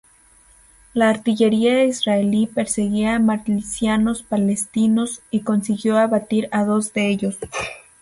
La artillería israelí perseguía a milicianos palestinos y consiguió abatir a dos de ellos.